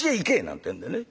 なんてんでね